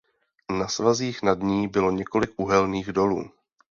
Na svazích nad ní bylo několik uhelných dolů.